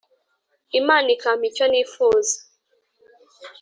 imana ikampa icyo nifuza